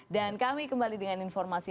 dan kami kembali dengan informasi